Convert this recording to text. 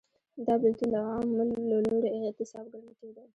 دا بېلتون د عوامو له لوري اعتصاب ګڼل کېده.